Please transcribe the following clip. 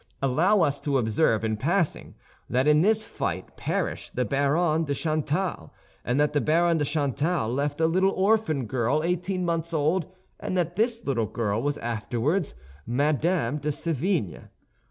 Allow us to observe in passing that in this fight perished the Baron de Chantal; that the Baron de Chantal left a little orphan girl eighteen months old, and that this little girl was afterward Mme. de Sévigné.